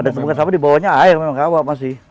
ada tumpukan sampah di bawahnya air memang rawa pasti